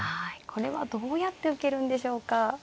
これはどうやって受けるんでしょうか。